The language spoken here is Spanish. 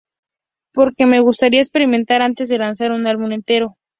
Porque me gustaría experimentar antes de lanzar un álbum entero.